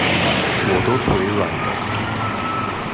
我都腿軟了